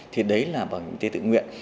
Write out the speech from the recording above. thì đấy là bảo hiểm y tế tự nguyện